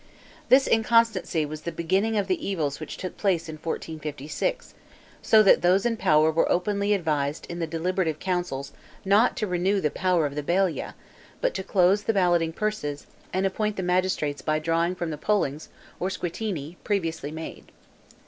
This inconsistency was the beginning of the evils which took place in 1456; so that those in power were openly advised in the deliberative councils not to renew the power of the balia, but to close the balloting purses, and appoint the magistrates by drawing from the pollings or squittini previously made.